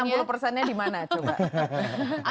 next sisa enam puluh persennya di mana coba